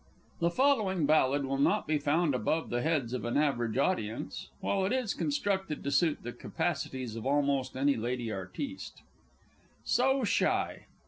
The following ballad will not be found above the heads of an average audience, while it is constructed to suit the capacities of almost any lady artiste. SO SHY!